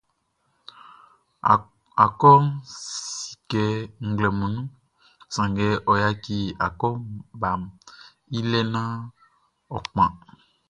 Akɔʼn si kɛ nglɛmun nunʼn, sanngɛ ɔ yaci akɔbaʼn i lɛ naan ɔ kpan.